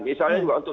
misalnya juga untuk